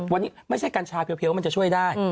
วันนี้ไม่ใช่กัญชาเพียวมันจะช่วยได้